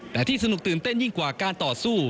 แต่ที่สนุกตื่นเต้นยิ่งกว่าการต่อสู้